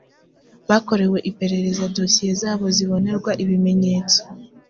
bakorewe iperereza dosiye zabo zibonerwa ibimenyetso